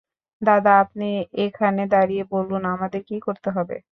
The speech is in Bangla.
দাদা, আপনি এখানে দাঁড়িয়ে বলুন আমাদের কি করতে হবে।